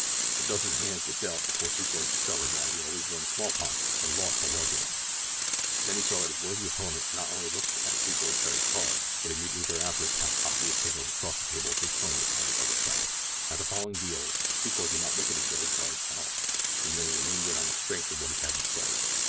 A dozen hands were dealt before Secor discovered why he always won small pots and lost the large ones. Then he saw that his worthy opponent not only looked at Secor's buried card, but immediately thereafter passed obvious signals across the table to a crony upon the other side. At the following deal Secor did not look at his buried card at all. He merely remained in on the strength of what he had in sight.